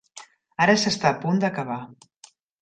Ara s'està a punt d'acabar.